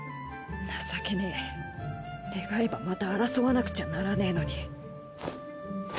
情けねえ願えばまた争わなくちゃならねえのに。